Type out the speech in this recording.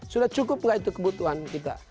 sudah cukup nggak itu kebutuhan kita